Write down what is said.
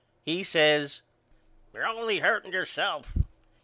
He says You're only hurting yourself.